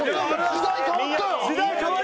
時代変わったよ！